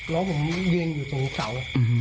น้องผมวิ่งอยู่ตรงเสาร์